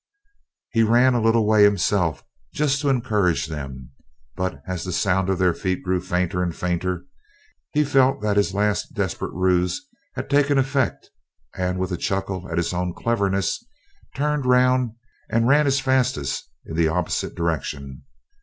He ran a little way himself just to encourage them, but, as the sound of their feet grew fainter and fainter, he felt that his last desperate ruse had taken effect, and with a chuckle at his own cleverness, turned round and ran his fastest in the opposite direction.